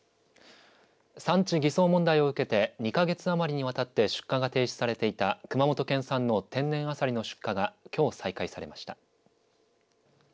産地偽装問題を受けて２か月余りにわたって出荷が停止されていた熊本県産の天然アサリの出荷がきょう再開されました。